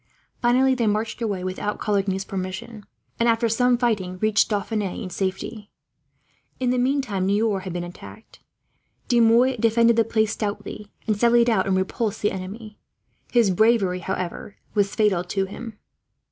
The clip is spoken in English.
Finally they marched away without Coligny's permission and, after some fighting, reached Dauphine in safety. In the meantime Niort had been attacked. De Mouy defended the place stoutly, and sallied out and repulsed the enemy. His bravery, however, was fatal to him.